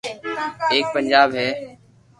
ايڪ پنجاب ھي